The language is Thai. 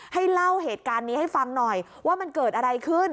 ให้เล่าเหตุการณ์นี้ให้ฟังหน่อยว่ามันเกิดอะไรขึ้น